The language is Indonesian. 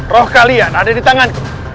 roh kalian ada di tanganku